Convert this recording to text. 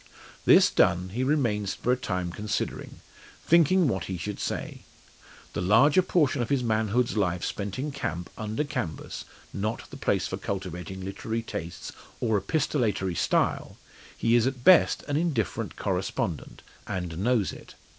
This done, he remains for a time considering thinking what he should say. The larger portion of his manhood's life spent in camp, under canvas not the place for cultivating literary tastes or epistolary style he is at best an indifferent correspondent, and knows it.